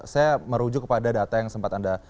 saya merujuk kepada data yang sempat anda